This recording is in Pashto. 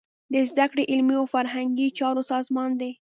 د زده کړې، علمي او فرهنګي چارو سازمان دی.